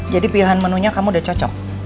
jadi pilihan menunya kamu udah cocok